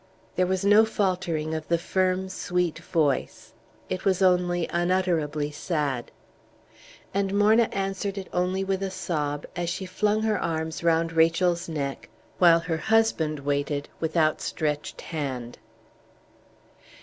There was no faltering of the firm, sweet voice; it was only unutterably sad. And Morna answered it only with a sob, as she flung her arms round Rachel's neck, while her husband waited with outstretched hand.